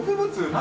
何？